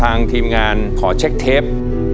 ทีมงานขอเช็คเทป